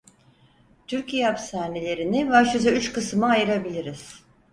Türkiye hapishanelerini başlıca üç kısıma ayırabiliriz: